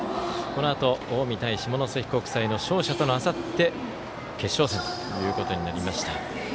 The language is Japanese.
このあと近江対下関国際の勝者とあさって決勝戦ということになりました。